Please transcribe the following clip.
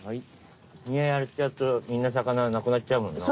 身やっちゃうとみんな魚なくなっちゃうもんな。